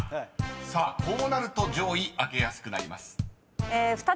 ［さあこうなると上位開けやすくなります］